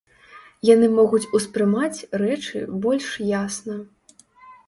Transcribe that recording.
Яны могуць ўспрымаць рэчы больш ясна.